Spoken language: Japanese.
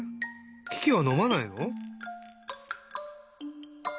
キキはのまないの？